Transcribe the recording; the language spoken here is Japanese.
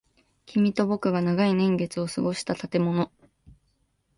君と僕が長い年月を過ごした建物。